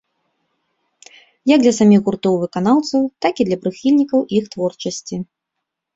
Як для саміх гуртоў і выканаўцаў, так і для прыхільнікаў іх творчасці.